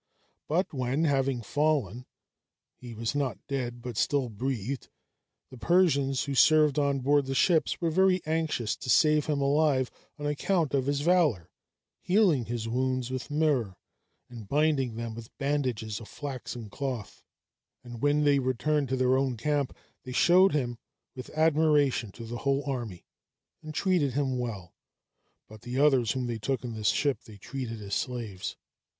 But when, having fallen (he was not dead, but still breathed), the Persians who served on board the ships were very anxious to save him alive, on account of his valor, healing his wounds with myrrh, and binding them with bandages of flaxen cloth; and when they returned to their own camp, they showed him with admiration to the whole army, and treated him well; but the others, whom they took in this ship, they treated as slaves.